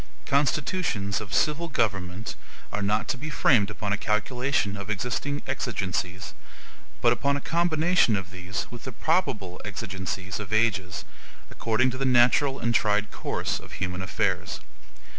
Constitutions of civil government are not to be framed upon a calculation of existing exigencies, but upon a combination of these with the probable exigencies of ages, according to the natural and tried course of human affairs.